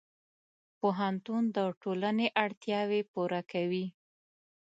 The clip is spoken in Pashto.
پوهنتون د ټولنې اړتیاوې پوره کوي.